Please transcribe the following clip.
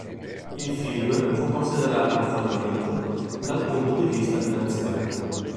Il film fu considerato un fallimento dal punto di vista finanziario.